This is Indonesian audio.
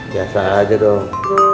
biasa aja dong